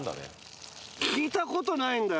聞いたことないんだよ。